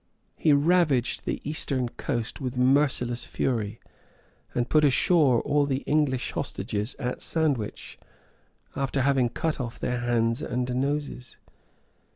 He ravaged the eastern coast with merciless fury, and put ashore all the English hostages at Sandwich, after having cut off their hands and noses.